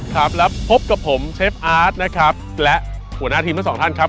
ครับแล้วพบกับผมเชฟอาร์ตนะครับและหัวหน้าทีมทั้งสองท่านครับ